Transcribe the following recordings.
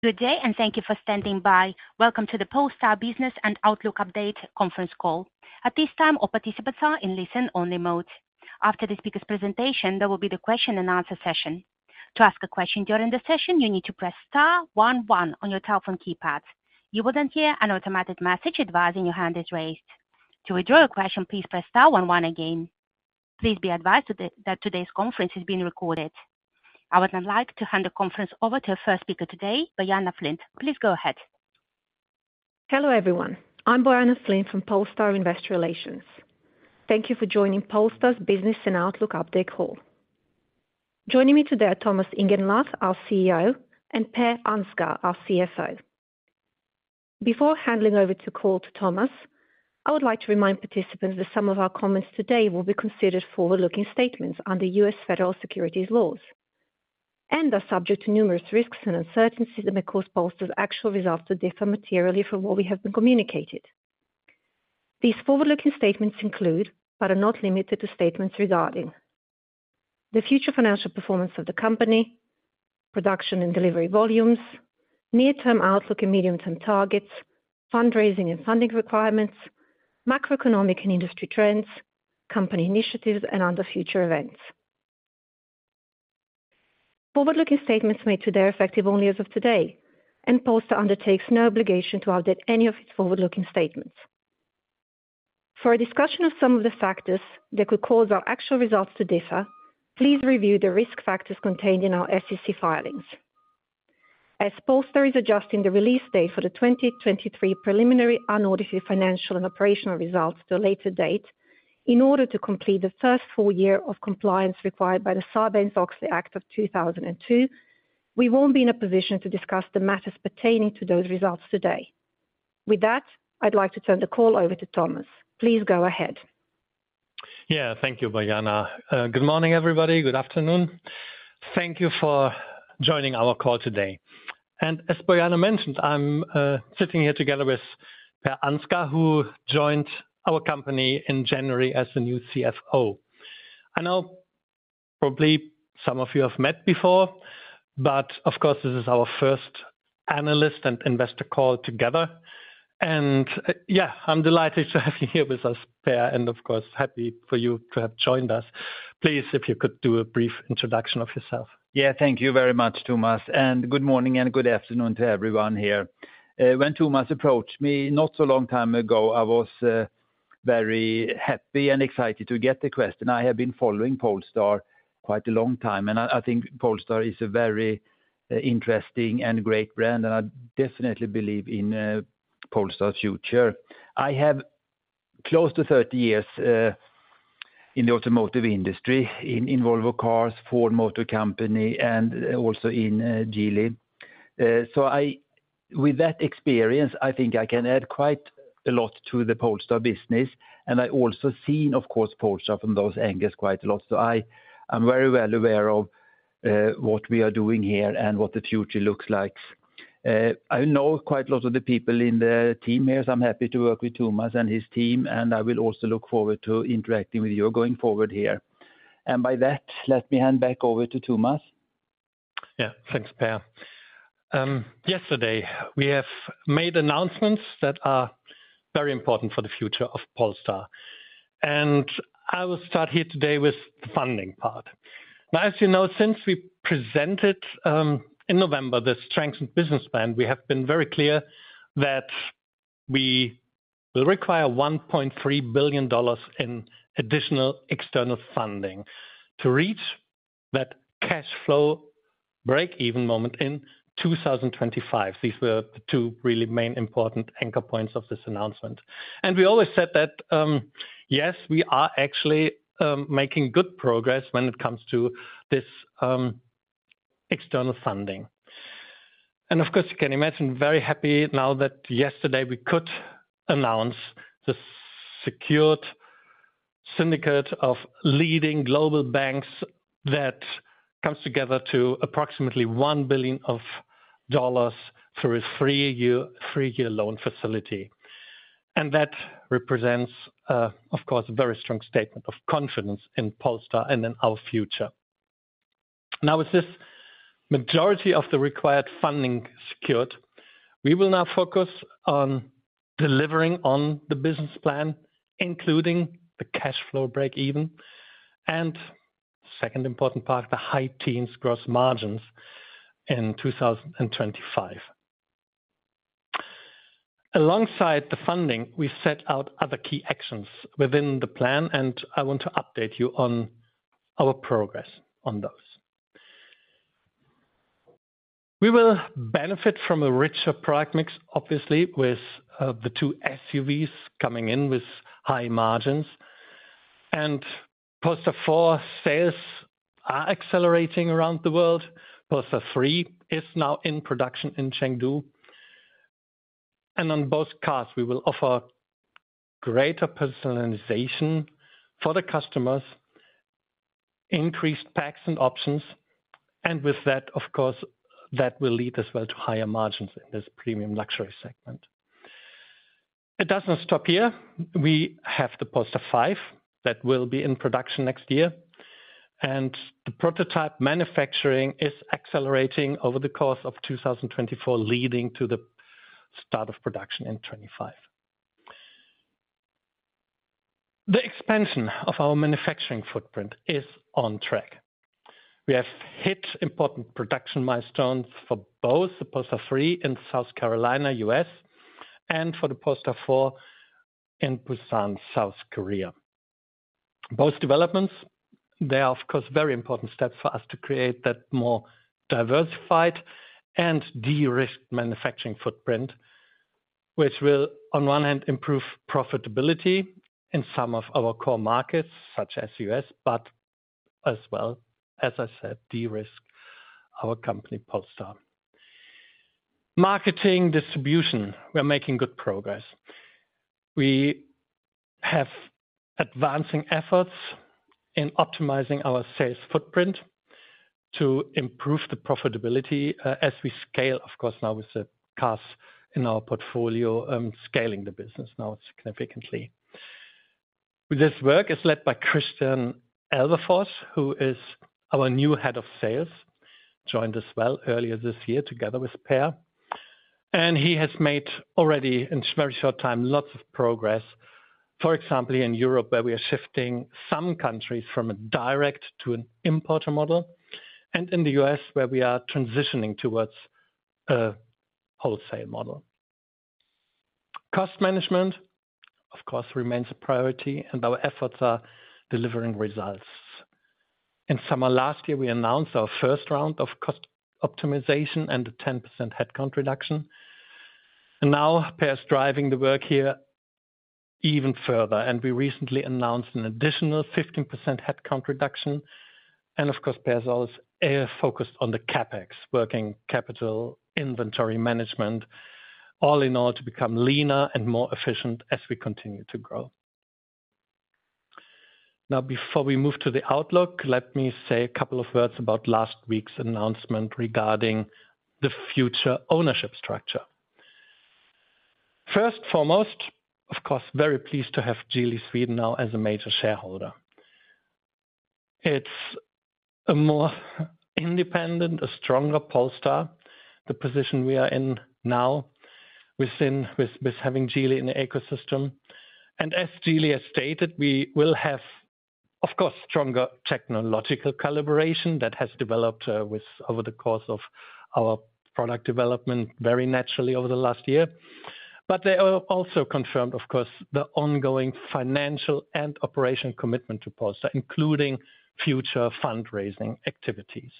Good day, and thank you for standing by. Welcome to the Polestar Business and Outlook Update conference call. At this time, all participants are in listen-only mode. After the speaker's presentation, there will be the question and answer session. To ask a question during the session, you need to press star one one on your telephone keypad. You wouldn't hear an automatic message advising your hand is raised. To withdraw a question, please press star one one again. Please be advised today that today's conference is being recorded. I would now like to hand the conference over to our first speaker today, Bojana Flint. Please go ahead. Hello, everyone. I'm Bojana Flint from Polestar Investor Relations. Thank you for joining Polestar's Business and Outlook Update call. Joining me today are Thomas Ingenlath, our CEO, and Per Ansgar, our CFO. Before handing over the call to Thomas, I would like to remind participants that some of our comments today will be considered forward-looking statements under U.S. Federal Securities laws and are subject to numerous risks and uncertainties that may cause Polestar's actual results to differ materially from what we have communicated. These forward-looking statements include, but are not limited to, statements regarding the future financial performance of the company, production and delivery volumes, near-term outlook and medium-term targets, fundraising and funding requirements, macroeconomic and industry trends, company initiatives, and other future events. Forward-looking statements made today are effective only as of today, and Polestar undertakes no obligation to update any of its forward-looking statements. For a discussion of some of the factors that could cause our actual results to differ, please review the risk factors contained in our SEC filings. As Polestar is adjusting the release date for the 2023 preliminary unaudited financial and operational results to a later date, in order to complete the first full year of compliance required by the Sarbanes-Oxley Act of 2002, we won't be in a position to discuss the matters pertaining to those results today. With that, I'd like to turn the call over to Thomas. Please go ahead. Yeah. Thank you, Bojana. Good morning, everybody. Good afternoon. Thank you for joining our call today. And as Bojana mentioned, I'm sitting here together with Per Ansgar, who joined our company in January as the new CFO. I know probably some of you have met before, but of course, this is our first analyst and investor call together, and yeah, I'm delighted to have you here with us, Per, and of course, happy for you to have joined us. Please, if you could do a brief introduction of yourself. Yeah. Thank you very much, Thomas, and good morning and good afternoon to everyone here. When Thomas approached me, not so long time ago, I was very happy and excited to get the question. I have been following Polestar quite a long time, and I think Polestar is a very interesting and great brand, and I definitely believe in Polestar's future. I have close to 30 years in the automotive industry, in Volvo Cars, Ford Motor Company, and also in Geely. So with that experience, I think I can add quite a lot to the Polestar business, and I also seen, of course, Polestar from those angles quite a lot. So I am very well aware of what we are doing here and what the future looks like. I know quite a lot of the people in the team here, so I'm happy to work with Thomas and his team, and I will also look forward to interacting with you going forward here. By that, let me hand back over to Thomas. Yeah. Thanks, Per. Yesterday, we have made announcements that are very important for the future of Polestar, and I will start here today with the funding part. Now, as you know, since we presented in November, the strengthened business plan, we have been very clear that we will require $1.3 billion in additional external funding to reach that cash flow break-even moment in 2025. These were the two really main important anchor points of this announcement. And we always said that, yes, we are actually making good progress when it comes to this external funding. And of course, you can imagine, very happy now that yesterday we could announce the secured syndicate of leading global banks that comes together to approximately $1 billion through a three-year, three-year loan facility. That represents, of course, a very strong statement of confidence in Polestar and in our future. Now, with this majority of the required funding secured, we will now focus on delivering on the business plan, including the cash flow break-even, and second important part, the high teens gross margins in 2025. Alongside the funding, we set out other key actions within the plan, and I want to update you on our progress on those. We will benefit from a richer product mix, obviously, with the two SUVs coming in with high margins, and Polestar 4 sales are accelerating around the world. Polestar 3 is now in production in Chengdu. And on both cars, we will offer greater personalization for the customers, increased packs and options, and with that, of course, that will lead as well to higher margins in this premium luxury segment. It does not stop here. We have the Polestar 5 that will be in production next year, and the prototype manufacturing is accelerating over the course of 2024, leading to the start of production in 2025. The expansion of our manufacturing footprint is on track. We have hit important production milestones for both the Polestar 3 in South Carolina, U.S., and for the Polestar 4 in Busan, South Korea. Both developments, they are, of course, very important steps for us to create that more diversified and de-risked manufacturing footprint, which will, on one hand, improve profitability in some of our core markets, such as the U.S., but as well, as I said, de-risk our company, Polestar. Marketing distribution, we are making good progress. We have advancing efforts in optimizing our sales footprint to improve the profitability, as we scale, of course, now with the cars in our portfolio, scaling the business now significantly. This work is led by Kristian Elvefors, who is our new head of sales, joined us well earlier this year together with Per, and he has made already, in a very short time, lots of progress. For example, in Europe, where we are shifting some countries from a direct to an importer model, and in the U.S., where we are transitioning towards a wholesale model. Cost management, of course, remains a priority, and our efforts are delivering results. In summer last year, we announced our first round of cost optimization and a 10% headcount reduction. Now Per is driving the work here even further, and we recently announced an additional 15% headcount reduction. Of course, Per is always focused on the CapEx, working capital inventory management, all in all, to become leaner and more efficient as we continue to grow. Now, before we move to the outlook, let me say a couple of words about last week's announcement regarding the future ownership structure. First and foremost, of course, very pleased to have Geely Sweden now as a major shareholder. It's a more independent, a stronger Polestar, the position we are in now with having Geely in the ecosystem. And as Geely has stated, we will have, of course, stronger technological collaboration that has developed with over the course of our product development very naturally over the last year. But they also confirmed, of course, the ongoing financial and operational commitment to Polestar, including future fundraising activities.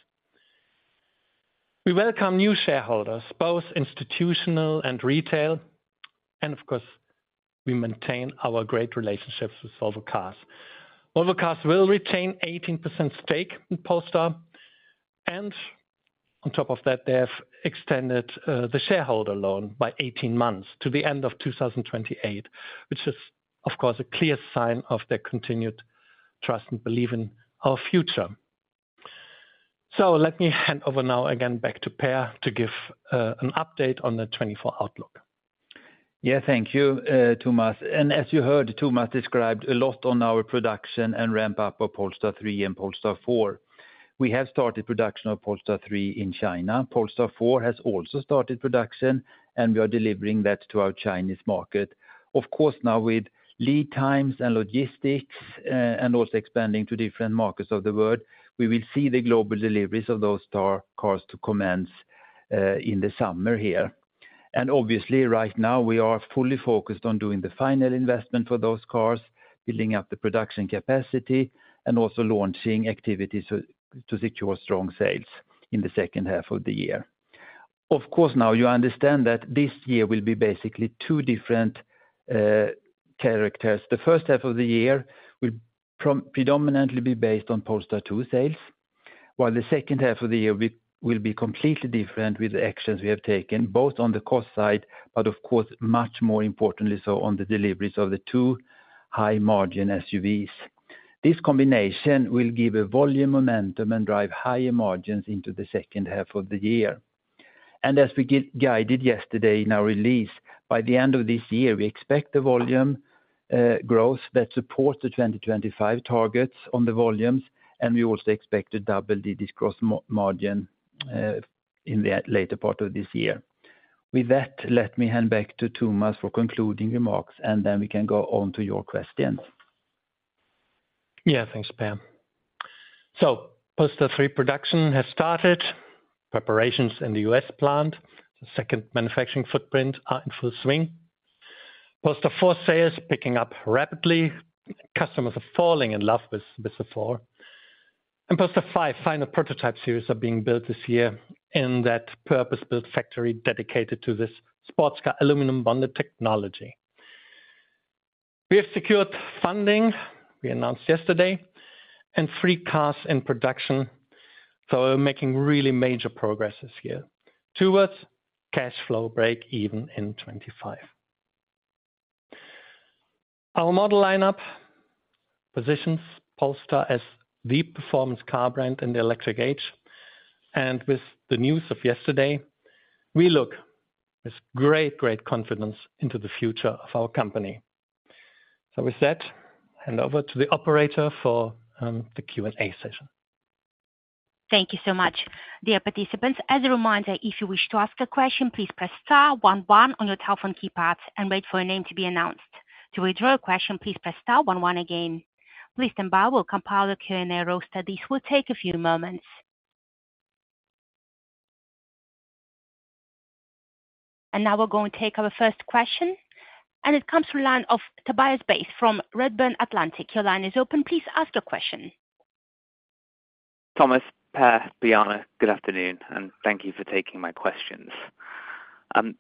We welcome new shareholders, both institutional and retail, and of course, we maintain our great relationships with Volvo Cars. Volvo Cars will retain 18% stake in Polestar, and on top of that, they have extended the shareholder loan by 18 months to the end of 2028, which is, of course, a clear sign of their continued trust and belief in our future. So let me hand over now again back to Per to give an update on the 2024 outlook. Yeah, thank you, Thomas. And as you heard, Thomas described a lot on our production and ramp up of Polestar 3 and Polestar 4. We have started production of Polestar 3 in China. Polestar 4 has also started production, and we are delivering that to our Chinese market. Of course, now with lead times and logistics, and also expanding to different markets of the world, we will see the global deliveries of those Polestar cars to commence in the summer here. And obviously, right now, we are fully focused on doing the final investment for those cars, building up the production capacity, and also launching activities to secure strong sales in the second half of the year. Of course, now you understand that this year will be basically two different characters. The first half of the year will predominantly be based on Polestar 2 sales, while the second half of the year will be completely different with the actions we have taken, both on the cost side, but of course, much more importantly, so on the deliveries of the two high-margin SUVs. This combination will give a volume momentum and drive higher margins into the second half of the year. As we guided yesterday in our release, by the end of this year, we expect the volume growth that supports the 2025 targets on the volumes, and we also expect to double the gross margin in the later part of this year. With that, let me hand back to Thomas for concluding remarks, and then we can go on to your questions. Yeah, thanks, Per. So Polestar 3 production has started. Preparations in the U.S. plant, the second manufacturing footprint, are in full swing. Polestar 4 sales picking up rapidly. Customers are falling in love with, with the 4. And Polestar 5 final prototype series are being built this year in that purpose-built factory dedicated to this sports car aluminum bonded technology. We have secured funding, we announced yesterday, and three cars in production, so we're making really major progress here towards cash flow break-even in 2025. Our model lineup positions Polestar as the performance car brand in the electric age. And with the news of yesterday, we look with great, great confidence into the future of our company. So with that, hand over to the operator for the Q&A session. Thank you so much. Dear participants, as a reminder, if you wish to ask a question, please press star one one on your telephone keypad and wait for your name to be announced. To withdraw a question, please press star one one again. Please stand by, we'll compile the Q&A roster. This will take a few moments. And now we're going to take our first question, and it comes from line of Tobias Bass from Redburn Atlantic. Your line is open. Please ask your question. Thomas, Per, Bojana, good afternoon, and thank you for taking my questions.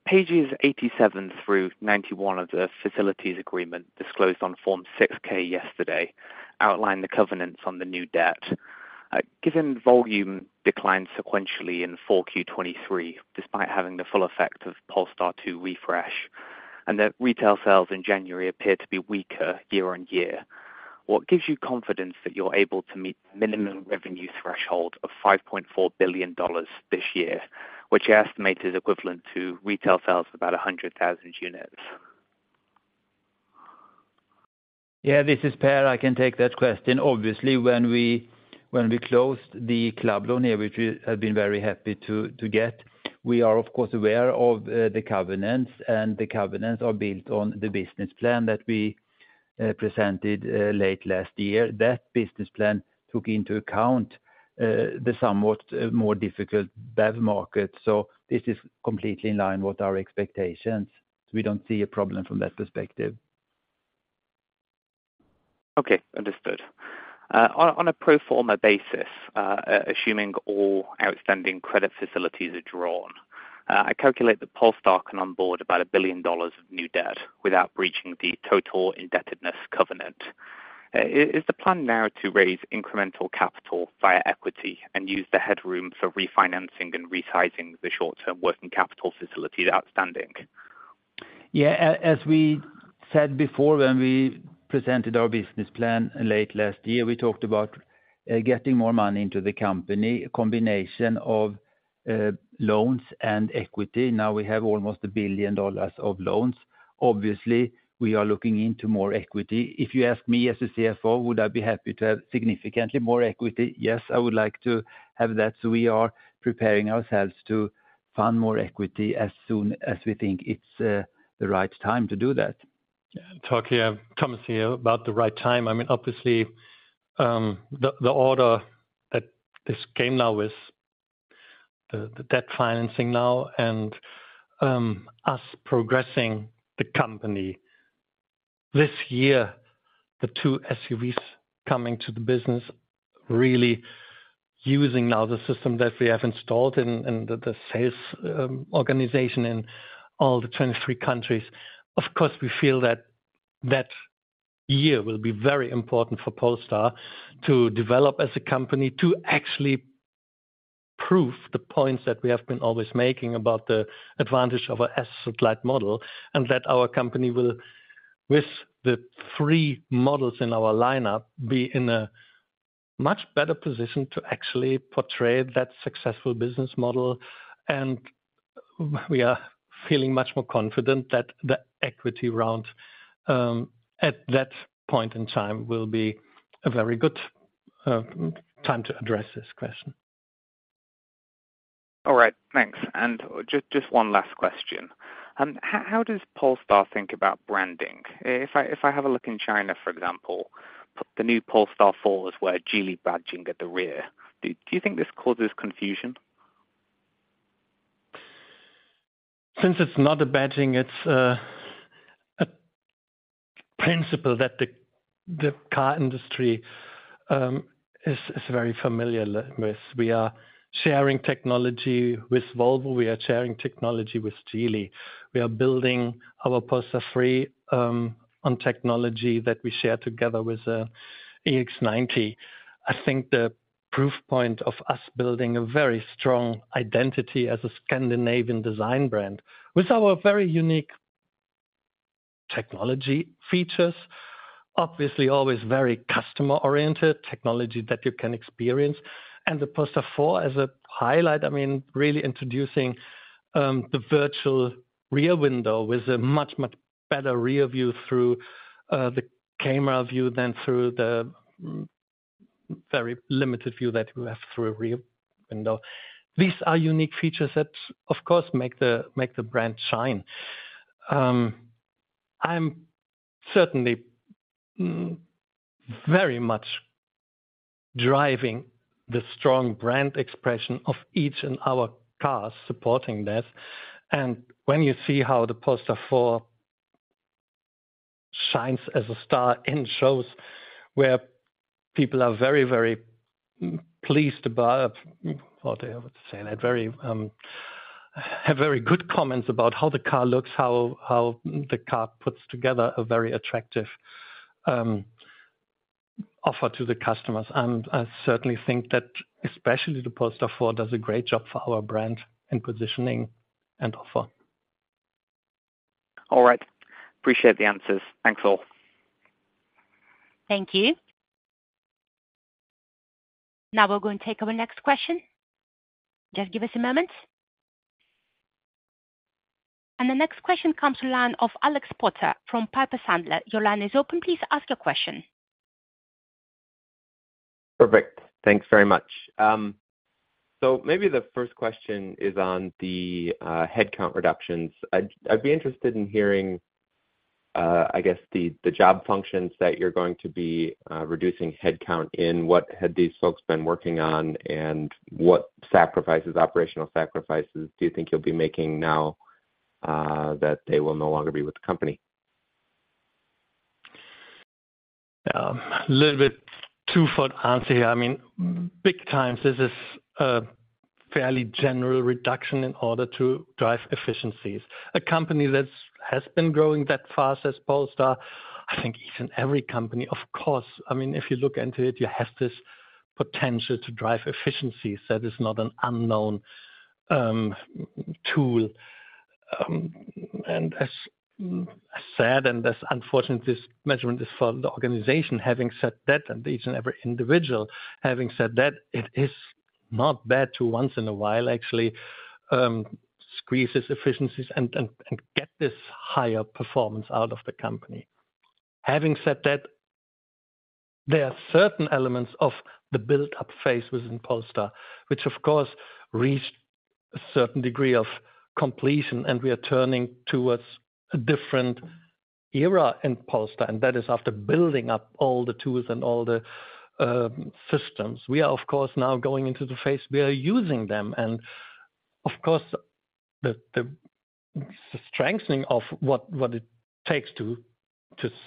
Pages 87 through 91 of the facilities agreement disclosed on Form 6-K yesterday outline the covenants on the new debt. Given volume declined sequentially in 4Q 2023, despite having the full effect of Polestar 2 refresh, and the retail sales in January appeared to be weaker year-over-year. What gives you confidence that you're able to meet minimum revenue threshold of $5.4 billion this year, which you estimate is equivalent to retail sales of about 100,000 units? Yeah, this is Per. I can take that question. Obviously, when we closed the club loan here, which we have been very happy to get, we are of course aware of the covenants, and the covenants are built on the business plan that we presented late last year. That business plan took into account the somewhat more difficult BEV market, so this is completely in line with our expectations. We don't see a problem from that perspective. Okay, understood. On a pro forma basis, assuming all outstanding credit facilities are drawn, I calculate that Polestar can onboard about $1 billion of new debt without breaching the total indebtedness covenant. Is the plan now to raise incremental capital via equity and use the headroom for refinancing and resizing the short-term working capital facility outstanding? Yeah, as we said before when we presented our business plan late last year, we talked about getting more money into the company, a combination of loans and equity. Now we have almost $1 billion of loans. Obviously, we are looking into more equity. If you ask me as a CFO, would I be happy to have significantly more equity? Yes, I would like to have that, so we are preparing ourselves to fund more equity as soon as we think it's the right time to do that. Yeah, talk here comes here about the right time. I mean, obviously, the order that this came now with the debt financing now and us progressing the company. This year, the two SUVs coming to the business, really using now the system that we have installed and the sales organization in all the 23 countries. Of course, we feel that year will be very important for Polestar to develop as a company, to actually prove the points that we have been always making about the advantage of our asset-light model, and that our company will, with the three models in our lineup, be in a much better position to actually portray that successful business model. And we are feeling much more confident that the equity round, at that point in time, will be a very good time to address this question. All right, thanks. And just one last question. How does Polestar think about branding? If I have a look in China, for example, the new Polestar 4 with Geely badging at the rear. Do you think this causes confusion? Since it's not a badging, it's a principle that the car industry is very familiar with. We are sharing technology with Volvo. We are sharing technology with Geely. We are building our Polestar 3 on technology that we share together with the EX90. I think the proof point of us building a very strong identity as a Scandinavian design brand with our very unique technology features, obviously always very customer-oriented technology that you can experience. And the Polestar 4 as a highlight, I mean, really introducing the virtual rear window with a much, much better rear view through the camera view than through the very limited view that you have through a rear window. These are unique features that, of course, make the brand shine. I'm certainly very much driving the strong brand expression of each in our cars supporting this. And when you see how the Polestar 4 shines as a star in shows where people are very, very pleased about... How they would say that? Very, have very good comments about how the car looks, how the car puts together a very attractive... offer to the customers, and I certainly think that especially the Polestar 4 does a great job for our brand in positioning and offer. All right. Appreciate the answers. Thanks, all. Thank you. Now we'll go and take our next question. Just give us a moment. The next question comes to line of Alex Potter from Piper Sandler. Your line is open. Please ask your question. Perfect. Thanks very much. So maybe the first question is on the headcount reductions. I'd be interested in hearing, I guess, the job functions that you're going to be reducing headcount in. What had these folks been working on, and what sacrifices, operational sacrifices do you think you'll be making now that they will no longer be with the company? A little bit two-fold answer here. I mean, big times, this is a fairly general reduction in order to drive efficiencies. A company that has been growing that fast as Polestar, I think each and every company, of course, I mean, if you look into it, you have this potential to drive efficiencies. That is not an unknown tool. And as I said, and as unfortunately, this measurement is for the organization. Having said that, and each and every individual having said that, it is not bad to once in a while actually squeeze these efficiencies and get this higher performance out of the company. Having said that, there are certain elements of the build-up phase within Polestar, which of course reached a certain degree of completion, and we are turning towards a different era in Polestar, and that is after building up all the tools and all the systems. We are of course now going into the phase we are using them, and of course the strengthening of what it takes to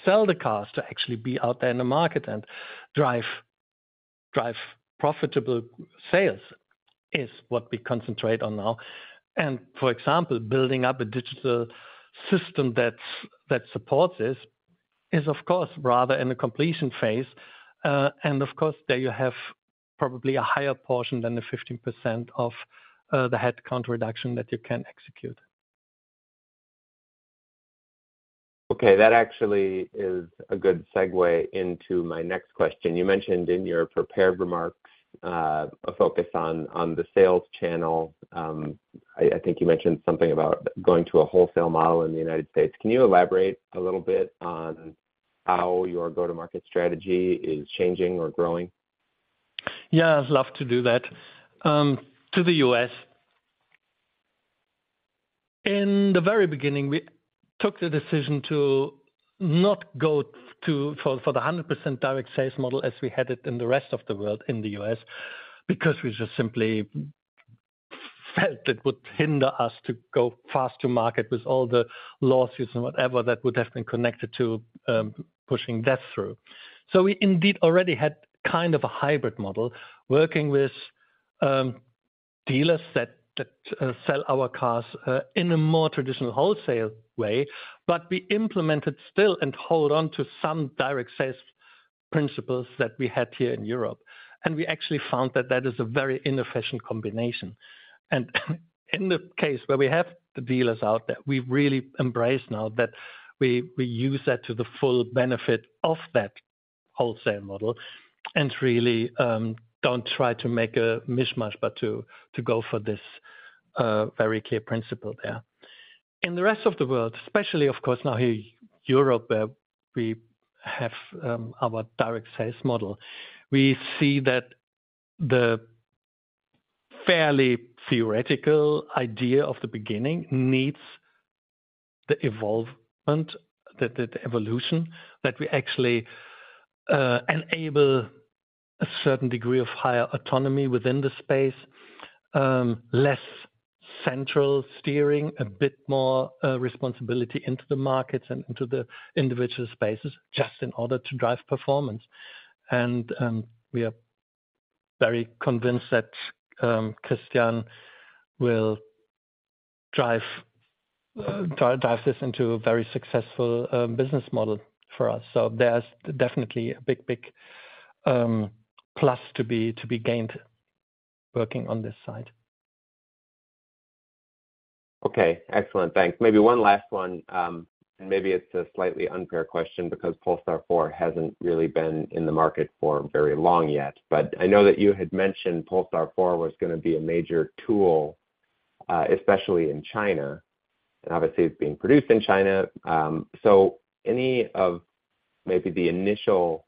sell the cars, to actually be out there in the market and drive profitable sales is what we concentrate on now. For example, building up a digital system that supports this is of course rather in a completion phase. Of course, there you have probably a higher portion than the 15% of the headcount reduction that you can execute. Okay, that actually is a good segue into my next question. You mentioned in your prepared remarks, a focus on the sales channel. I think you mentioned something about going to a wholesale model in the United States. Can you elaborate a little bit on how your go-to-market strategy is changing or growing? Yeah, I'd love to do that. To the U.S., in the very beginning, we took the decision to not go to the 100% direct sales model as we had it in the rest of the world in the U.S., because we just simply felt it would hinder us to go fast to market with all the lawsuits and whatever that would have been connected to, pushing that through. So we indeed already had kind of a hybrid model, working with dealers that sell our cars in a more traditional wholesale way, but we implemented still and hold on to some direct sales principles that we had here in Europe. And we actually found that that is a very inefficient combination. In the case where we have the dealers out there, we've really embraced now that we use that to the full benefit of that wholesale model, and really, don't try to make a mishmash, but to go for this very clear principle there. In the rest of the world, especially of course, now here Europe, where we have our direct sales model, we see that the fairly theoretical idea of the beginning needs the evolvement, the evolution, that we actually enable a certain degree of higher autonomy within the space, less central steering, a bit more responsibility into the markets and into the individual spaces, just in order to drive performance. We are very convinced that Christian will drive this into a very successful business model for us. There's definitely a big, big plus to be gained working on this side. Okay, excellent. Thanks. Maybe one last one, and maybe it's a slightly unfair question because Polestar 4 hasn't really been in the market for very long yet. But I know that you had mentioned Polestar 4 was gonna be a major tool, especially in China, and obviously it's being produced in China. So any of maybe the initial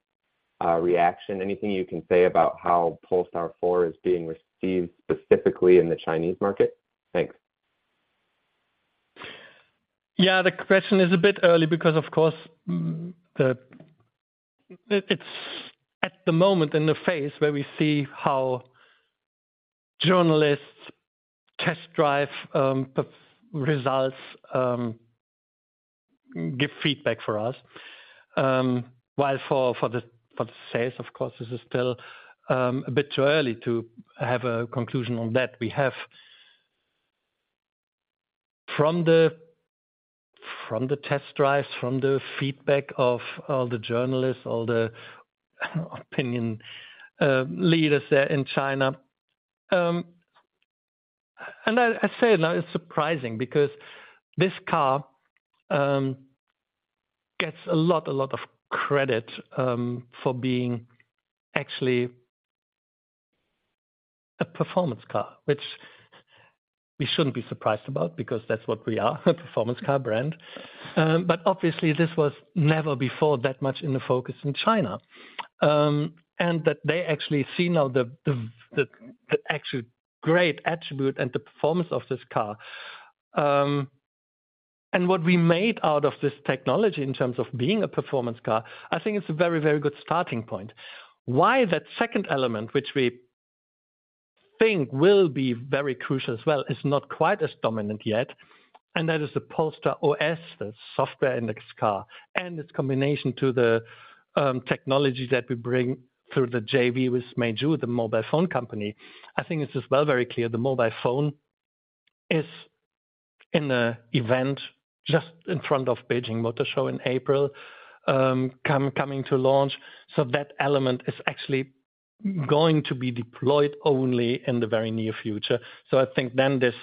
reaction, anything you can say about how Polestar 4 is being received specifically in the Chinese market? Thanks. Yeah, the question is a bit early because, of course, it's at the moment in the phase where we see how journalists test drive the results give feedback for us. While for the sales, of course, this is still a bit too early to have a conclusion on that. From the test drives, from the feedback of all the journalists, all the opinion leaders there in China. And I say it now, it's surprising because this car gets a lot of credit for being actually a performance car, which we shouldn't be surprised about because that's what we are, a performance car brand. But obviously this was never before that much in the focus in China. And that they actually see now the actual great attribute and the performance of this car. And what we made out of this technology in terms of being a performance car, I think it's a very, very good starting point. While that second element, which we think will be very crucial as well, is not quite as dominant yet, and that is the Polestar OS, the software in this car, and its combination to the technology that we bring through the JV with Meizu, the mobile phone company. I think this is well, very clear, the mobile phone is in the event just in front of Beijing Auto Show in April, coming to launch. So that element is actually going to be deployed only in the very near future. So I think then this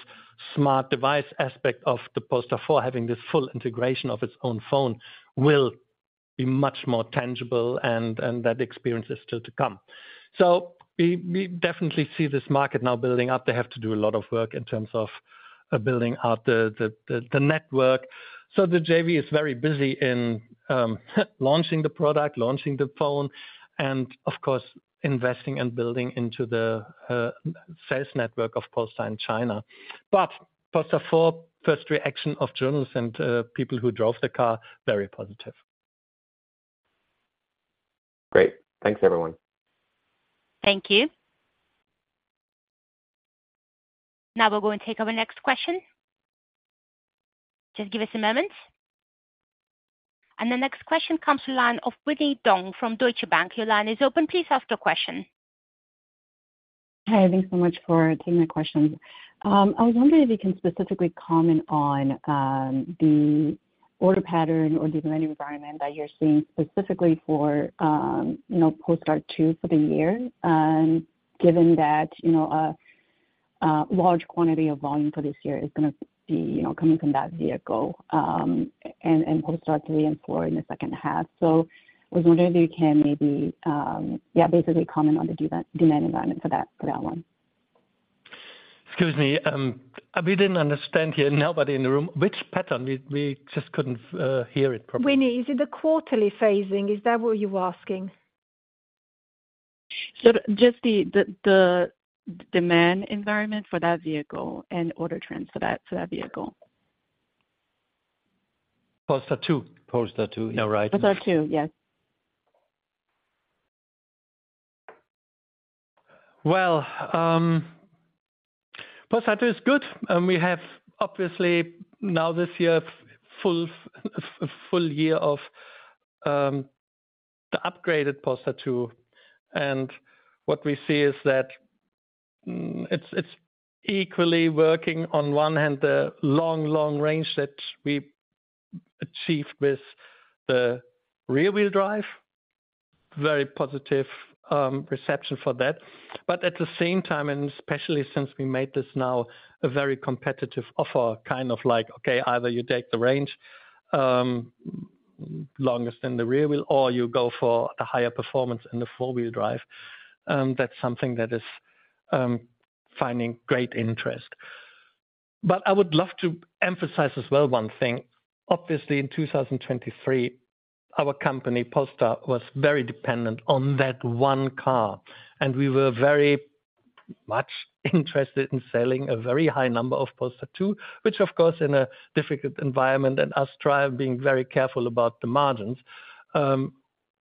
smart device aspect of the Polestar in having this full integration of its own phone will be much more tangible, and that experience is still to come. So we definitely see this market now building up. They have to do a lot of work in terms of building out the network. So the JV is very busy in launching the product, launching the phone, and of course, investing and building into the sales network of Polestar in China. But Polestar in Polestar first reaction of journalists and people who drove the car very positive. Great. Thanks, everyone. Thank you. Now we'll go and take our next question. Just give us a moment. And the next question comes to line of Winnie Dong from Deutsche Bank. Your line is open. Please ask your question. Hi, thanks so much for taking my questions. I was wondering if you can specifically comment on the order pattern or demand environment that you're seeing specifically for, you know, Polestar 2 for the year. And given that, you know, a large quantity of volume for this year is gonna be, you know, coming from that vehicle, and Polestar 3 and 4 in the second half. So I was wondering if you can maybe, yeah, basically comment on the demand environment for that, for that one. Excuse me, we didn't understand here, nobody in the room. Which pattern? We just couldn't hear it probably. Winnie, is it the quarterly phasing? Is that what you're asking? So just the demand environment for that vehicle and order trends for that vehicle. Polestar 2. Polestar 2, now, right? Polestar 2, yes. Well, Polestar 2 is good, and we have obviously now this year a full year of the upgraded Polestar 2. And what we see is that it's equally working on one hand, the long range that we achieved with the rear-wheel drive. Very positive reception for that. But at the same time, and especially since we made this now a very competitive offer, kind of like, okay, either you take the range longest in the rear wheel, or you go for a higher performance in the four-wheel drive. That's something that is finding great interest. But I would love to emphasize as well one thing, obviously, in 2023, our company, Polestar, was very dependent on that one car, and we were very much interested in selling a very high number of Polestar 2, which of course, in a difficult environment and us trying, being very careful about the margins,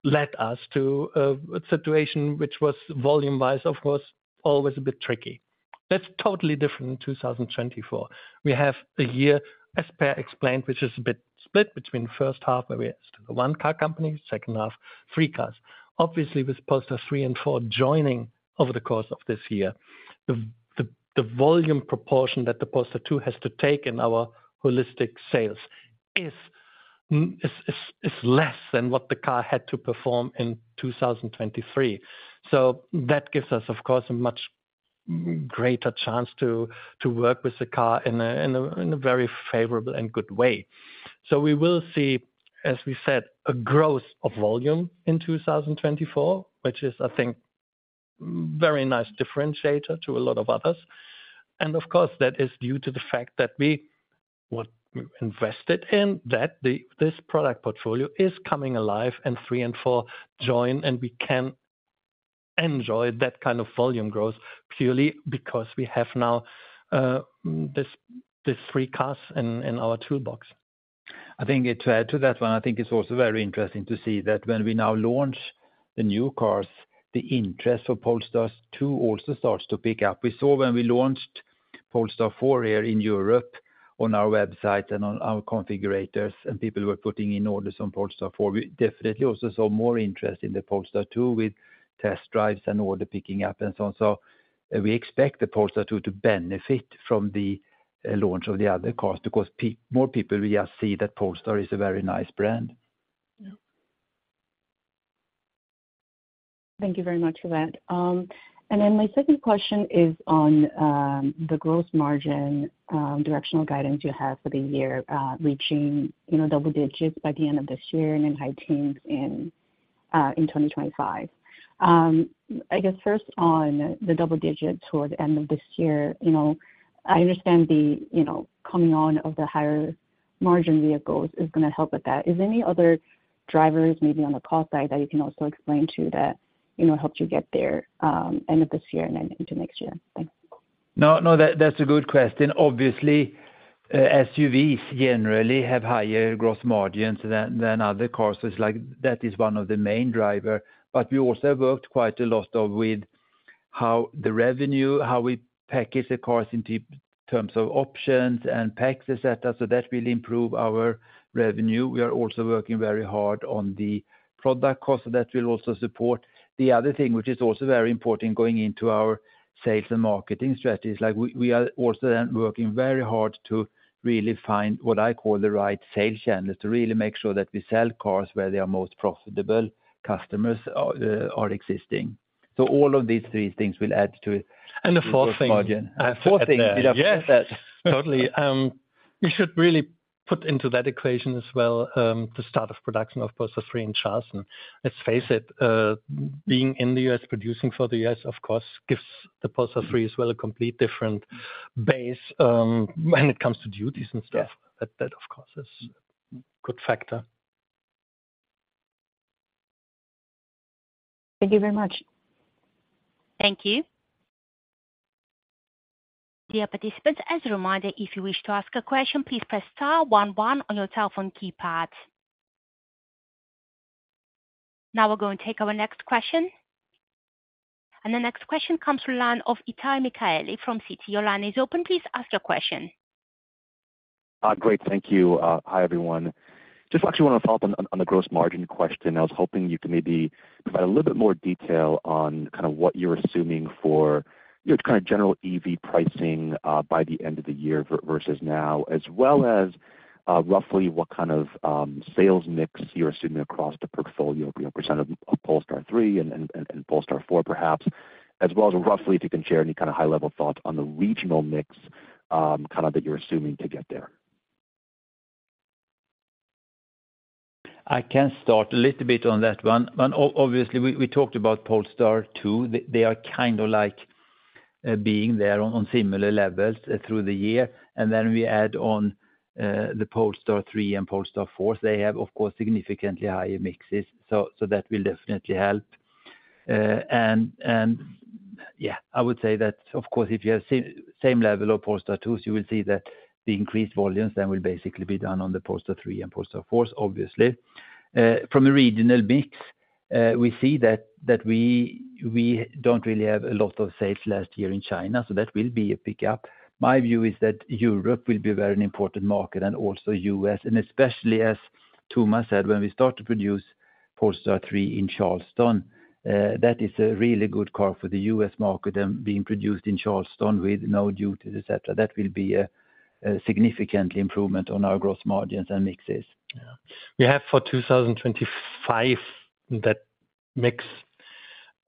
led us to a situation which was volume-wise, of course, always a bit tricky. That's totally different in 2024. We have a year, as Per explained, which is a bit split between first half, where we are still a one car company, second half, three cars. Obviously, with Polestar 3 and 4 joining over the course of this year, the volume proportion that the Polestar 2 has to take in our holistic sales is less than what the car had to perform in 2023. So that gives us, of course, a much greater chance to work with the car in a very favorable and good way. So we will see, as we said, a growth of volume in 2024, which is, I think, very nice differentiator to a lot of others. And of course, that is due to the fact that we were invested in, that this product portfolio is coming alive, and 3 and 4 join, and we can enjoy that kind of volume growth purely because we have now this these three cars in our toolbox. I think to add to that one, I think it's also very interesting to see that when we now launch the new cars, the interest for Polestar 2 also starts to pick up. We saw when we launched Polestar 4 here in Europe on our website and on our configurators, and people were putting in orders on Polestar 4. We definitely also saw more interest in the Polestar 2, with test drives and order picking up and so on. So we expect the Polestar 2 to benefit from the launch of the other cars, because more people will just see that Polestar is a very nice brand. Thank you very much, for that. And then my second question is on the gross margin directional guidance you have for the year, reaching, you know, double digits by the end of this year and in high teens in 2025. I guess first on the double digit toward the end of this year, you know, I understand the, you know, coming on of the higher margin vehicles is gonna help with that. Is there any other drivers, maybe on the cost side, that you can also explain, too, that, you know, helped you get there end of this year and then into next year? Thanks. No, that's a good question. Obviously, SUVs generally have higher gross margins than other cars, so it's like that is one of the main driver. But we also worked quite a lot with how the revenue, how we package the cars in terms of options and packs, et cetera, so that will improve our revenue. We are also working very hard on the product cost, so that will also support. The other thing, which is also very important going into our sales and marketing strategies, like we are also then working very hard to really find what I call the right sales channels, to really make sure that we sell cars where the most profitable customers are existing. So all of these three things will add to- And the fourth thing. Fourth thing, yes. Totally. We should really put into that equation as well, the start of production of Polestar 3 in Charleston. Let's face it, being in the U.S., producing for the U.S., of course, gives the Polestar 3 as well, a complete different base, when it comes to duties and stuff. Yeah. That, of course, is good factor. Thank you very much. Thank you. Dear participants, as a reminder, if you wish to ask a question, please press star one one on your telephone keypad. Now we're going to take our next question. The next question comes from line of Itai Michaeli, from Citi. Your line is open, please ask your question. Great, thank you. Hi, everyone. Just actually want to follow up on the gross margin question. I was hoping you could maybe provide a little bit more detail on kind of what you're assuming for, you know, kind of general EV pricing by the end of the year versus now, as well as roughly what kind of sales mix you're assuming across the portfolio, you know, percent of Polestar 3 and Polestar 4, perhaps, as well as roughly, if you can share any kind of high-level thoughts on the regional mix, kind of, that you're assuming to get there. I can start a little bit on that one. Obviously, we talked about Polestar 2. They are kind of like being there on similar levels through the year, and then we add on the Polestar 3 and Polestar 4. They have, of course, significantly higher mixes, so that will definitely help. And yeah, I would say that of course, if you have same level of Polestar 2, you will see that the increased volumes, that will basically be done on the Polestar 3 and Polestar 4, obviously. From a regional mix, we see that we don't really have a lot of sales last year in China, so that will be a pickup. My view is that Europe will be a very important market and also U.S., and especially as Thomas said, when we start to produce Polestar 3 in Charleston, that is a really good car for the U.S. market, and being produced in Charleston with no duties, et cetera, that will be a significant improvement on our gross margins and mixes. Yeah. We have for 2025, that mix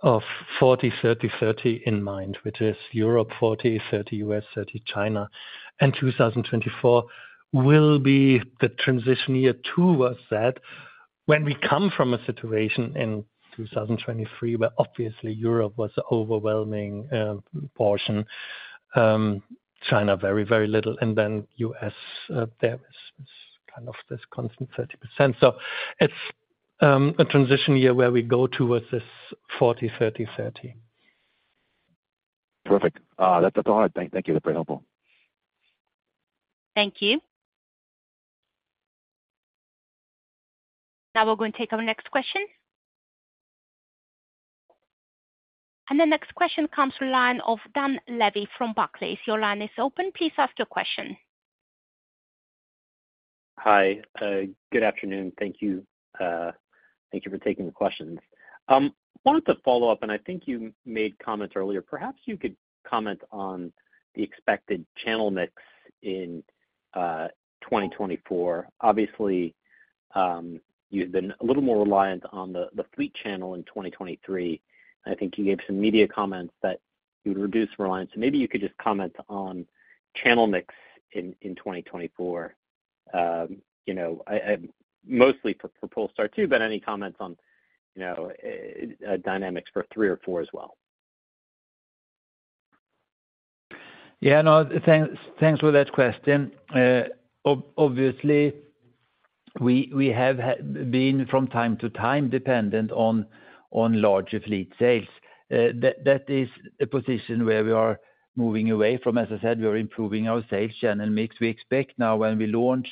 of 40, 30, 30 in mind, which is Europe, 40, 30 U.S., 30 China. And 2024 will be the transition year to us that when we come from a situation in 2023, where obviously Europe was overwhelming portion, China, very, very little, and then U.S., there is kind of this constant 30%. So it's a transition year where we go towards this 40, 30, 30. Perfect. That's a lot. Thank you. That's very helpful. Thank you. Now we're going to take our next question. The next question comes from line of Dan Levy from Barclays. Your line is open. Please ask your question. Hi, good afternoon. Thank you. Thank you for taking the questions. Wanted to follow up, and I think you made comments earlier. Perhaps you could comment on the expected channel mix in 2024. Obviously, you've been a little more reliant on the fleet channel in 2023. I think you gave some media comments that you would reduce reliance. Maybe you could just comment on channel mix in 2024. You know, mostly for Polestar 2, but any comments on, you know, dynamics for 3 or 4 as well? Yeah, no, thanks, thanks for that question. Obviously, we have been from time to time dependent on larger fleet sales. That is a position where we are moving away from. As I said, we are improving our sales channel mix. We expect now when we launch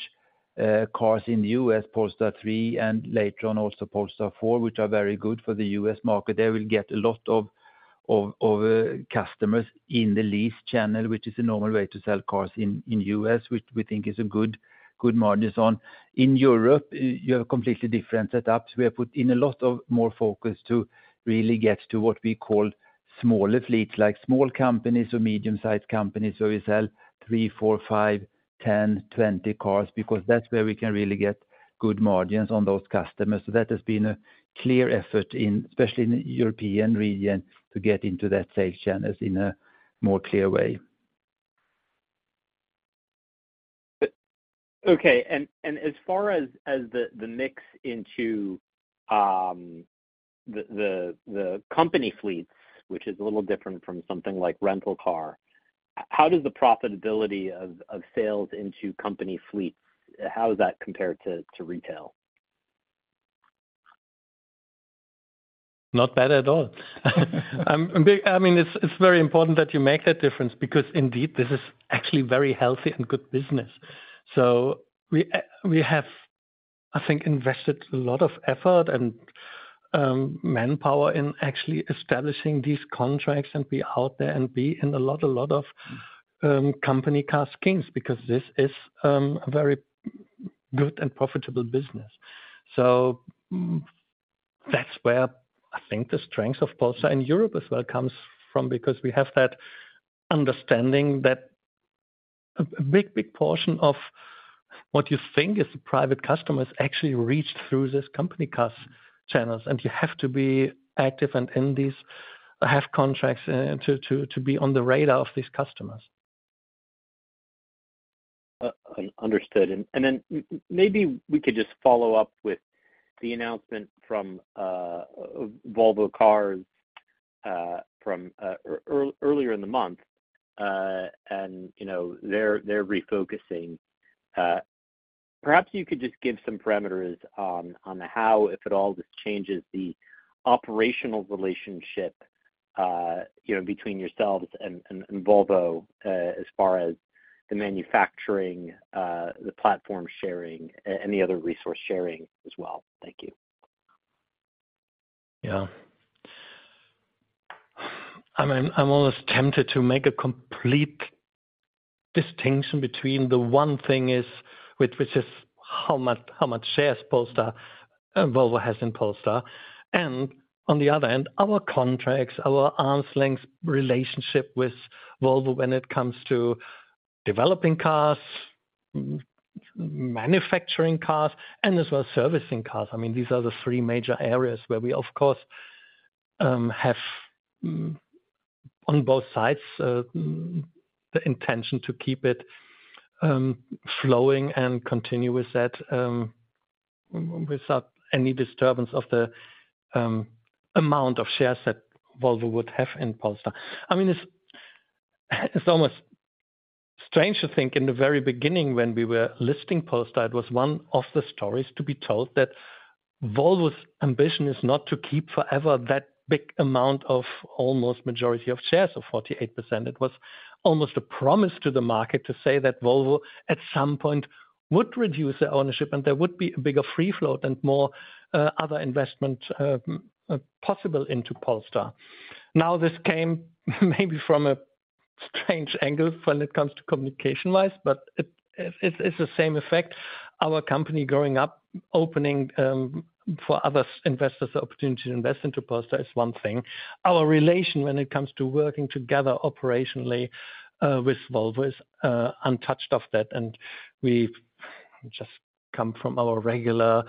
cars in the US, Polestar 3, and later on also Polestar 4, which are very good for the US market, they will get a lot of customers in the lease channel, which is a normal way to sell cars in US, which we think is good margins on. In Europe, you have a completely different setups. We have put in a lot of more focus to really get to what we call smaller fleets, like small companies or medium-sized companies, where we sell three, four, five, 10, 20 cars, because that's where we can really get good margins on those customers. So that has been a clear effort in, especially in the European region, to get into that sales channels in a more clear way. ... Okay, and as far as the mix into the company fleets, which is a little different from something like rental car, how does the profitability of sales into company fleets compare to retail? Not bad at all. I mean, it's very important that you make that difference, because indeed, this is actually very healthy and good business. So we have, I think, invested a lot of effort and manpower in actually establishing these contracts and be out there and be in a lot of company car schemes, because this is a very good and profitable business. So that's where I think the strength of Polestar in Europe as well comes from, because we have that understanding that a big portion of what you think is a private customer is actually reached through this company cars channels, and you have to be active and in these, have contracts to be on the radar of these customers. Understood. And then maybe we could just follow up with the announcement from Volvo Cars from earlier in the month. And, you know, they're refocusing. Perhaps you could just give some parameters on the how, if at all, this changes the operational relationship, you know, between yourselves and Volvo, as far as the manufacturing, the platform sharing, and the other resource sharing as well. Thank you. Yeah. I'm, I'm almost tempted to make a complete distinction between the one thing is, which, which is how much, how much shares Polestar, Volvo has in Polestar, and on the other hand, our contracts, our arm's length relationship with Volvo when it comes to developing cars, manufacturing cars, and as well, servicing cars. I mean, these are the three major areas where we, of course, have, on both sides, the intention to keep it, flowing and continue with that, without any disturbance of the, amount of shares that Volvo would have in Polestar. I mean, it's, it's almost strange to think in the very beginning when we were listing Polestar, it was one of the stories to be told, that Volvo's ambition is not to keep forever that big amount of almost majority of shares of 48%. It was almost a promise to the market to say that Volvo, at some point, would reduce their ownership, and there would be a bigger free float and more, other investment, possible into Polestar. Now, this came maybe from a strange angle when it comes to communication-wise, but it, it's, it's the same effect. Our company growing up, opening, for other investors, the opportunity to invest into Polestar is one thing. Our relation when it comes to working together operationally, with Volvo is, untouched of that, and we've just come from our regular,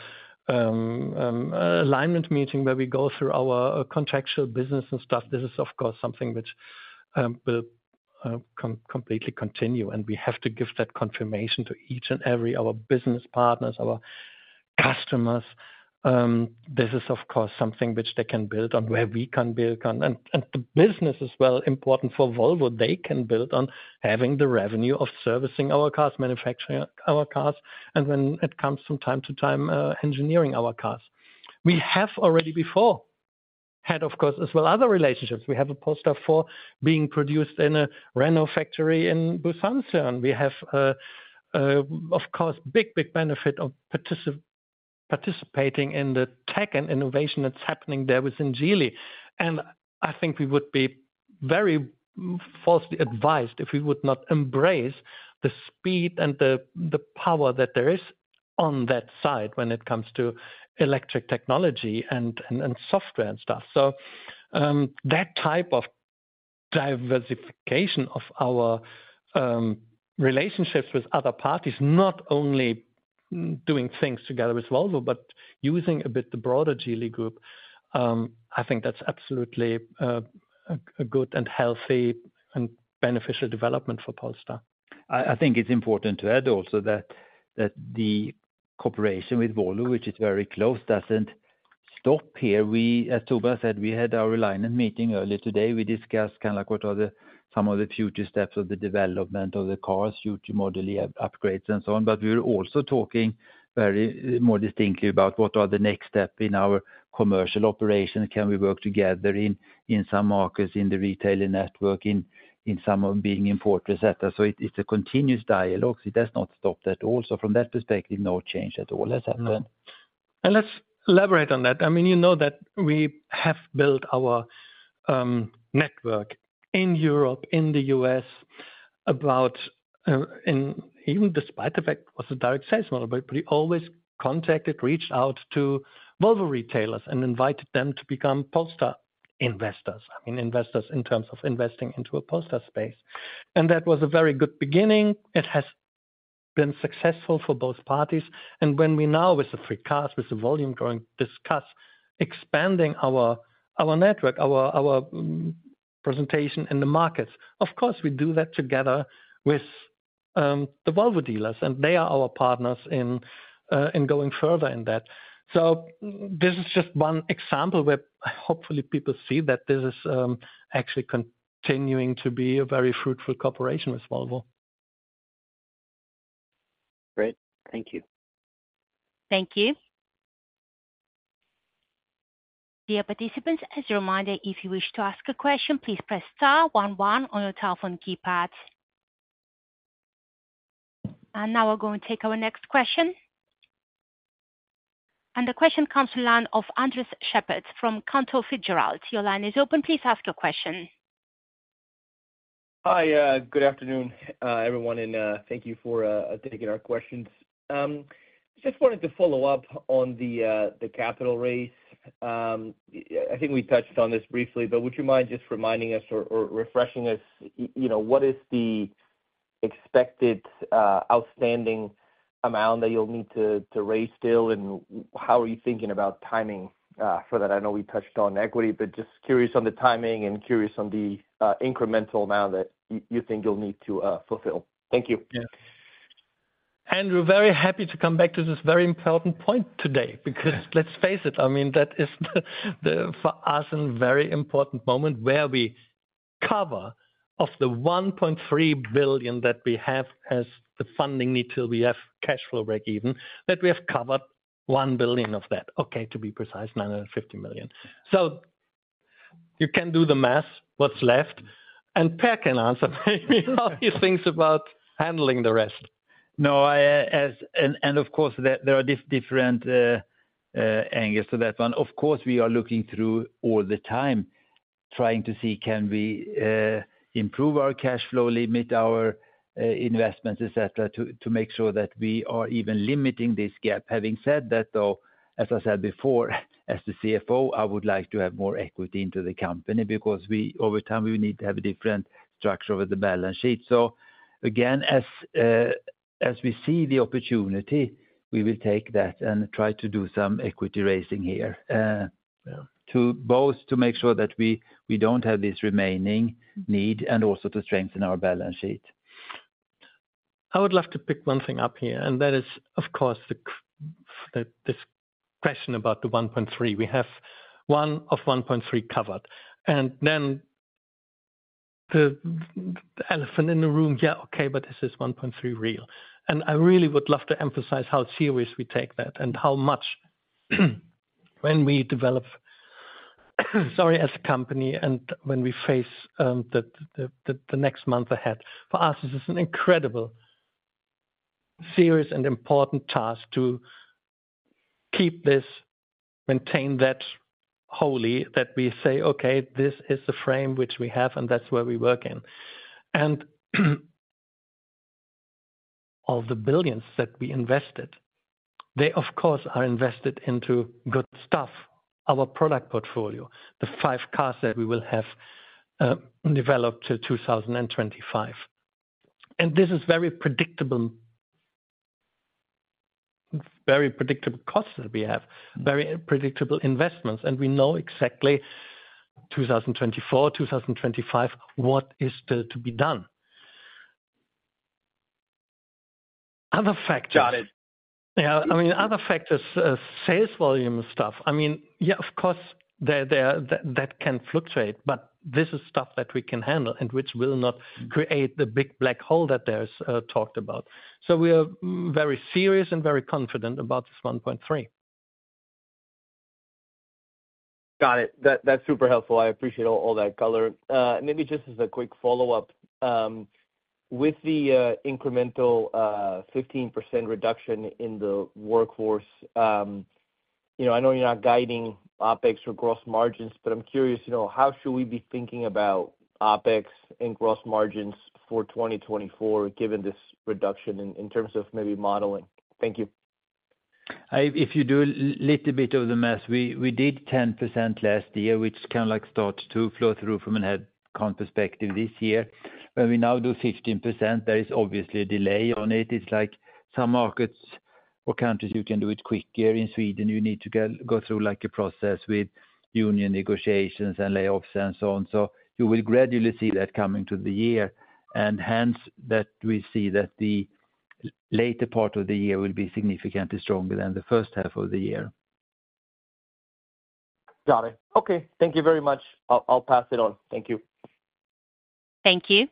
alignment meeting, where we go through our, contractual business and stuff. This is, of course, something which, will, completely continue, and we have to give that confirmation to each and every, our business partners, our customers. This is, of course, something which they can build on, where we can build on. And the business as well, important for Volvo, they can build on having the revenue of servicing our cars, manufacturing our cars, and when it comes from time to time, engineering our cars. We have already before had, of course, as well, other relationships. We have a Polestar 4 being produced in a Renault factory in Busan, South Korea. We have, of course, big benefit of participating in the tech and innovation that's happening there within Geely. And I think we would be very falsely advised if we would not embrace the speed and the power that there is on that side when it comes to electric technology and software and stuff. So, that type of diversification of our relationships with other parties, not only doing things together with Volvo, but using a bit the broader Geely group, I think that's absolutely a good and healthy and beneficial development for Polestar. I think it's important to add also that the cooperation with Volvo, which is very close, doesn't stop here. We as Tobias said, we had our alignment meeting earlier today. We discussed kind of like what are some of the future steps of the development of the cars, future modular upgrades and so on. But we're also talking very more distinctly about what are the next step in our commercial operation. Can we work together in some markets, in the retailer network, in some of them being important, et cetera. So it's a continuous dialogue. It does not stop at all. So from that perspective, no change at all. Let's happen. And let's elaborate on that. I mean, you know that we have built our network in Europe, in the U.S., and even despite the fact it was a direct sales model, but we always contacted, reached out to Volvo retailers and invited them to become Polestar investors, I mean, investors in terms of investing into a Polestar space. And that was a very good beginning. It has been successful for both parties. And when we now, with the free cars, with the volume growing, discuss expanding our network, our presentation in the markets. Of course, we do that together with the Volvo dealers, and they are our partners in going further in that. So this is just one example where hopefully people see that this is actually continuing to be a very fruitful cooperation with Volvo. Great. Thank you. Thank you. Dear participants, as a reminder, if you wish to ask a question, please press star one one on your telephone keypad. Now we're going to take our next question. The question comes to the line of Andres Sheppard from Cantor Fitzgerald. Your line is open. Please ask your question. Hi, good afternoon, everyone, and thank you for taking our questions. Just wanted to follow up on the capital raise. I think we touched on this briefly, but would you mind just reminding us or refreshing us, you know, what is the expected outstanding amount that you'll need to raise still? And how are you thinking about timing for that? I know we touched on equity, but just curious on the timing and curious on the incremental amount that you think you'll need to fulfill. Thank you. Yeah. Andres, very happy to come back to this very important point today, because let's face it, I mean, that is the, for us, a very important moment where we cover of the $1.3 billion that we have as the funding need till we have cash flow break-even, that we have covered $1 billion of that. Okay, to be precise, $950 million. So you can do the math, what's left, and Per can answer maybe how he thinks about handling the rest. No, as and of course, there are different angles to that one. Of course, we are looking through all the time, trying to see, can we improve our cash flow, limit our investments, et cetera, to make sure that we are even limiting this gap. Having said that, though, as I said before, as the CFO, I would like to have more equity into the company because over time, we need to have a different structure over the balance sheet. So again, as we see the opportunity, we will take that and try to do some equity raising here, to both to make sure that we don't have this remaining need and also to strengthen our balance sheet. I would love to pick one thing up here, and that is, of course, the question about the $1.3. We have the $1.3 covered, and then the elephant in the room, yeah, okay, but is this $1.3 real? And I really would love to emphasize how serious we take that and how much, when we develop, sorry, as a company and when we face the next month ahead. For us, this is an incredible, serious, and important task to keep this, maintain that wholly, that we say, "Okay, this is the frame which we have, and that's where we work in." And all the billions that we invested, they, of course, are invested into good stuff, our product portfolio, the five cars that we will have developed to 2025. This is very predictable, very predictable costs that we have, very predictable investments, and we know exactly 2024, 2025, what is still to be done. Other factors- Got it. Yeah. I mean, other factors, sales volume stuff, I mean, yeah, of course, they are. That can fluctuate, but this is stuff that we can handle and which will not create the big black hole that there is talked about. So we are very serious and very confident about this $1.3. Got it. That, that's super helpful. I appreciate all, all that color. Maybe just as a quick follow-up, with the, incremental, 15% reduction in the workforce, you know, I know you're not guiding OpEx or gross margins, but I'm curious, you know, how should we be thinking about OpEx and gross margins for 2024, given this reduction in, in terms of maybe modeling? Thank you. If you do a little bit of the math, we did 10% last year, which kind of like starts to flow through from a head count perspective this year. When we now do 15%, there is obviously a delay on it. It's like some markets or countries, you can do it quicker. In Sweden, you need to go through like a process with union negotiations and layoffs and so on. So you will gradually see that coming to the year, and hence, that we see that the later part of the year will be significantly stronger than the first half of the year. Got it. Okay, thank you very much. I'll pass it on. Thank you. Thank you.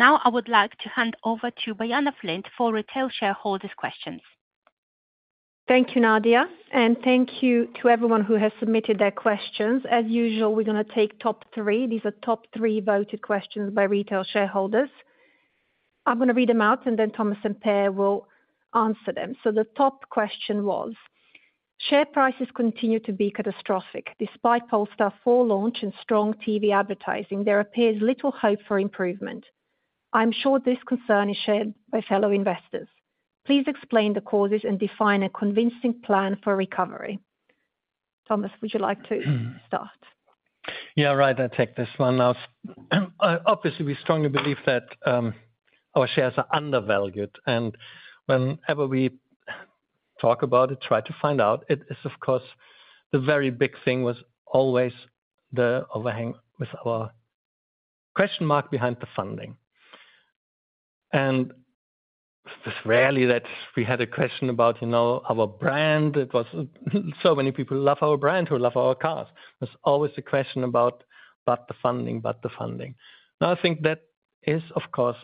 Now, I would like to hand over to Bojana Flint for retail shareholders' questions. Thank you, Nadia, and thank you to everyone who has submitted their questions. As usual, we're going to take top three. These are top three voted questions by retail shareholders. I'm going to read them out, and then Thomas and Per will answer them. So the top question was: Share prices continue to be catastrophic. Despite Polestar 4 launch and strong TV advertising, there appears little hope for improvement. I'm sure this concern is shared by fellow investors. Please explain the causes and define a convincing plan for recovery. Thomas, would you like to start?... Yeah, right, I take this one now. Obviously, we strongly believe that our shares are undervalued, and whenever we talk about it, try to find out, it is of course the very big thing was always the overhang with our question mark behind the funding. And it's rarely that we had a question about, you know, our brand. It was so many people love our brand, who love our cars. There's always a question about, but the funding, but the funding. Now, I think that is, of course,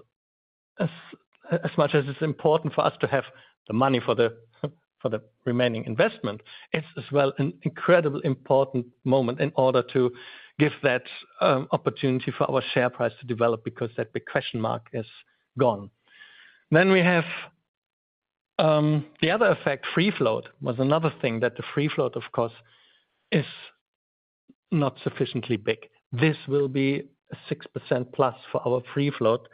as much as it's important for us to have the money for the remaining investment, it's as well an incredibly important moment in order to give that opportunity for our share price to develop, because that big question mark is gone. Then we have the other effect, free float, was another thing that the free float, of course, is not sufficiently big. This will be a 6% plus for our free float,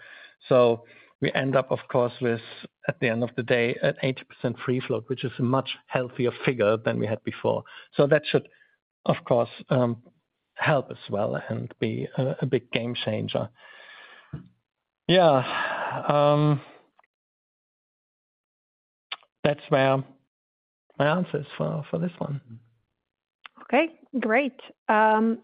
so we end up, of course, with, at the end of the day, an 80% free float, which is a much healthier figure than we had before. So that should, of course, help as well and be a big game changer. Yeah, that's my answers for this one. Okay, great. Second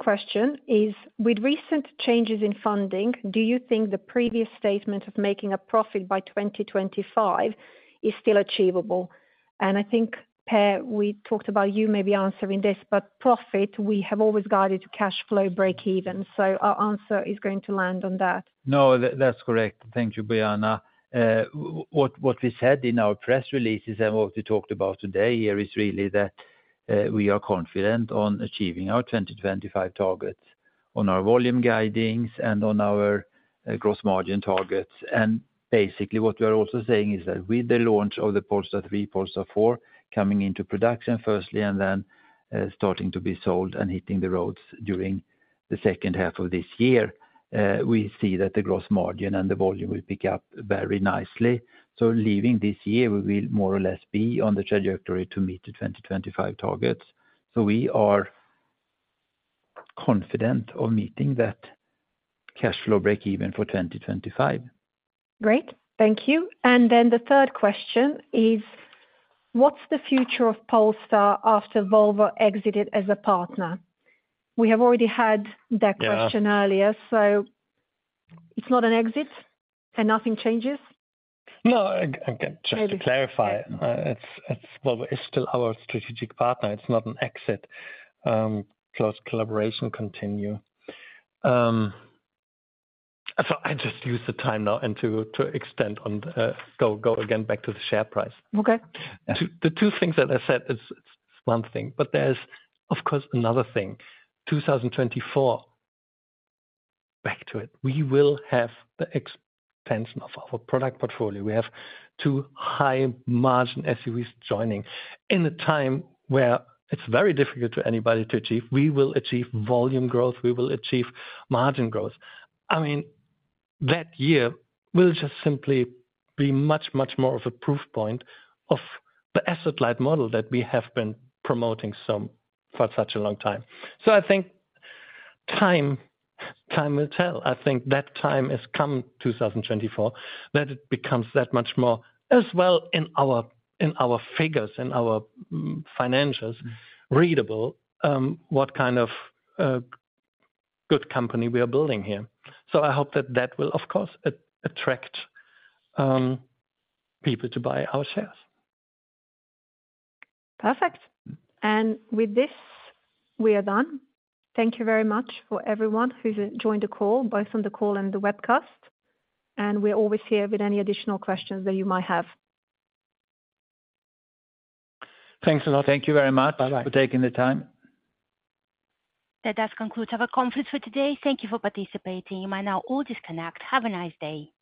question is: with recent changes in funding, do you think the previous statement of making a profit by 2025 is still achievable? And I think, Per, we talked about you maybe answering this, but profit, we have always guided to cash flow breakeven, so our answer is going to land on that. No, that, that's correct. Thank you, Bojana. What, what we said in our press releases and what we talked about today here is really that, we are confident on achieving our 2025 targets on our volume guidings and on our, gross margin targets. And basically, what we are also saying is that with the launch of the Polestar 3, Polestar 4, coming into production firstly, and then, starting to be sold and hitting the roads during the second half of this year, we see that the gross margin and the volume will pick up very nicely. So leaving this year, we will more or less be on the trajectory to meet the 2025 targets. So we are confident of meeting that cash flow break-even for 2025. Great, thank you. And then the third question is: what's the future of Polestar after Volvo exited as a partner? We have already had that- Yeah... question earlier, so it's not an exit, and nothing changes? No, again, just to clarify, it's, it's, Volvo is still our strategic partner. It's not an exit. Close collaboration continue. So I just use the time now and to, to extend on the, go, go again back to the share price. Okay. Yeah. The two things that I said, it's one thing, but there's, of course, another thing, 2024, back to it, we will have the expansion of our product portfolio. We have two high-margin SUVs joining in a time where it's very difficult to anybody to achieve. We will achieve volume growth, we will achieve margin growth. I mean, that year will just simply be much, much more of a proof point of the asset-light model that we have been promoting, so for such a long time. So I think time will tell. I think that time has come, 2024, that it becomes that much more, as well in our, in our figures, in our financials, readable what kind of good company we are building here. So I hope that that will, of course, attract people to buy our shares. Perfect. With this, we are done. Thank you very much for everyone who's joined the call, both on the call and the webcast, and we're always here with any additional questions that you might have. Thanks a lot. Thank you very much- Bye-bye... for taking the time. That does conclude our conference for today. Thank you for participating. You may now all disconnect. Have a nice day.